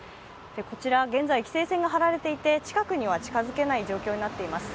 こちら現在、規制線が張られていて近くには近づけない状況になっています。